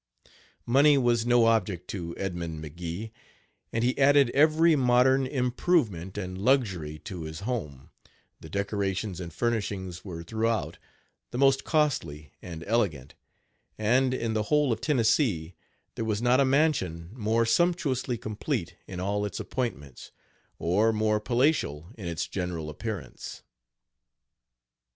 Money was no object to Edmund McGee, and he added every modern improvement and luxury to his home; the decorations and furnishings were throughout of the most costly and elegant; and in the whole of Tennessee there was not a mansion more sumptuously complete in all its appointments, or more palatial in its general appearance.